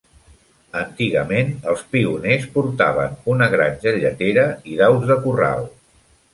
Antigament, els pioners portaven una granja lletera i d'aus de corral.